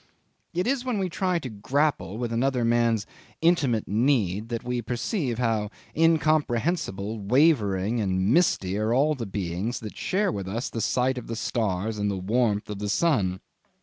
It is when we try to grapple with another man's intimate need that we perceive how incomprehensible, wavering, and misty are the beings that share with us the sight of the stars and the warmth of the sun.